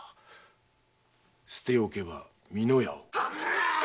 捨て置けば美濃屋を。